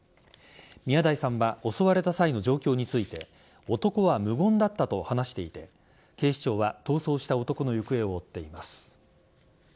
宮台さんは襲われた際の状況について男は無言だったと話していて警視庁は逃走した男の行方を追っています。